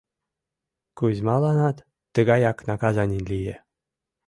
Кузьмаланат тыгаяк наказаний лие.